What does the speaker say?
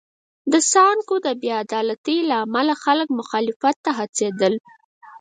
د سانکو د بې عدالتۍ له امله خلک مخالفت ته هڅېدل.